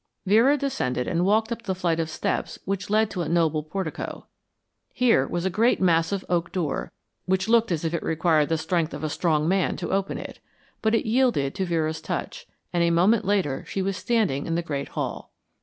Vera descended and walked up the flight of steps which led to a noble portico. Here was a great massive oak door, which looked as if it required the strength of a strong man to open it, but it yielded to Vera's touch, and a moment later she was standing in the great hall.